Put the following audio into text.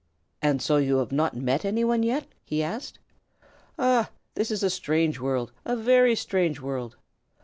"And so you have not met any one yet?" he asked. "Ah, this is a strange world a very strange world.